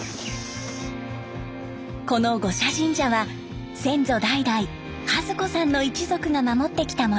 この五社神社は先祖代々和子さんの一族が守ってきたもの。